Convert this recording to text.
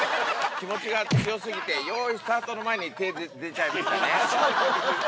気持ちが強すぎて、よーいスタートの前に手が出ちゃいましたね。